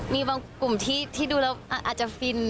มีบางกลุ่มที่ดูแล้วอาจจะฟิน